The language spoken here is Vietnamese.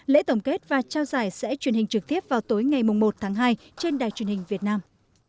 lễ tổng kết và trao giải sẽ truyền hình trực tiếp vào tối ngày một tháng hai trên đài truyền hình việt nam